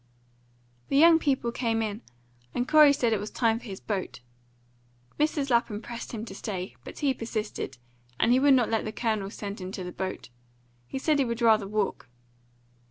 The young people came in, and Corey said it was time for his boat. Mrs. Lapham pressed him to stay, but he persisted, and he would not let the Colonel send him to the boat; he said he would rather walk.